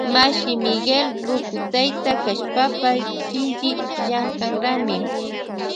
Mashi Miguel ruku tayta kashpapash shinchi llankanrami.